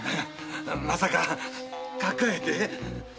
まさか抱えて？